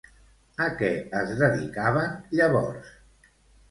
A què es dedicaven llavors?